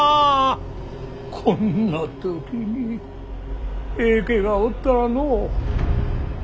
こんな時に平家がおったらの。